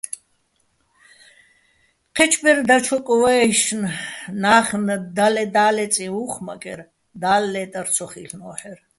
ჴეჩბერ დაჩოკ ვაჲშნ - ნა́ხნ - და́ლეწიჼ უ̂ხ მაკერ, და́ლ ლე́ტარ ცო ხილ'ნო́ჰ̦ერ.